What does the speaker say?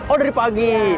oh dari pagi